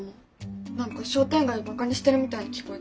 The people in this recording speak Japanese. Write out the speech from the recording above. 何か商店街をバカにしてるみたいに聞こえた。